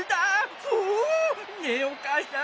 フォ！ねえお母さん！